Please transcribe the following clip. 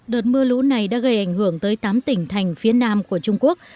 đợt mưa lũ này đã gây ảnh hưởng tới tám tỉnh thành phía nam của trung quốc